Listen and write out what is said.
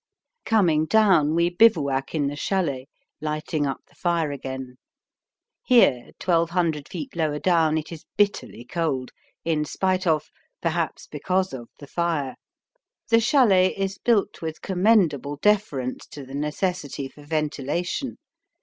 Coming down, we bivouac in the chalet, lighting up the fire again. Here, twelve hundred feet lower down, it is bitterly cold, in spite of, perhaps because of, the fire. The chalet is built with commendable deference to the necessity for ventilation.